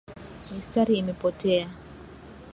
Mistari imepotea